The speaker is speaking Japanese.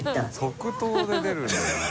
即答で出るんだな。